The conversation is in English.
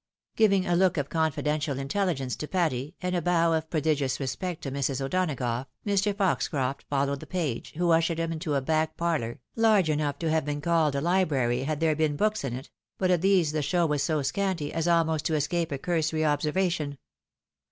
Giving a look of confidential intelligence to Patty, and a bow of prodigious respect to Mrs. O'Donagough, Mr. Foxcroft followed the page, who ushered him into a back par lour, large enough to have been called a Hbrary had there been books in it, but of these the show was so scanty, as almost to escape a cursory observation.